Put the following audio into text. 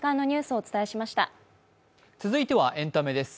続いてはエンタメです。